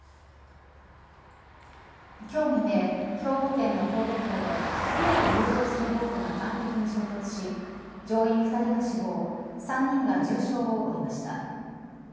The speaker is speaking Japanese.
今日、未明兵庫県の神戸港で船を誘導するボートが岸壁に衝突し乗員２人が死亡３人が重傷を負いました。